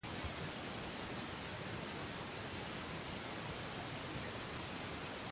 La Asamblea Popular Suprema elige al presidente para un periodo de cinco años.